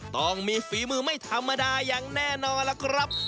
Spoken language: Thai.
ต้องมีฝีมือไม่ธรรมดาอย่างแน่นอนล่ะครับ